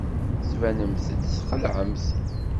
Tettbanemt-d txelɛemt.